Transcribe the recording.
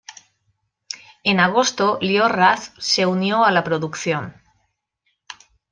En agosto, Lior Raz se unió a la producción.